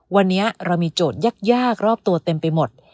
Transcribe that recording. วันนี้เรามีโจทย์ยากรอบตัวเต็มไปหมด